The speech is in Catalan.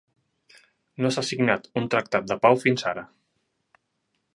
No s'ha signat un tractat de pau fins ara.